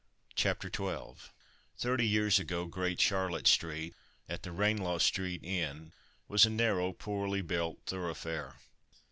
CHAPTER XII. Thirty years ago Great Charlotte street, at the Ranelagh street end, was a narrow, poorly built thoroughfare.